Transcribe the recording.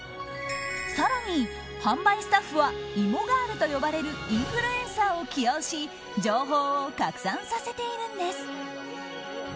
更に販売スタッフはいもがーると呼ばれるインフルエンサーを起用し情報を拡散させているんです。